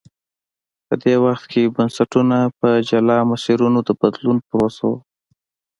په دې وخت کې بنسټونه پر جلا مسیرونو د بدلون پروسې ووه.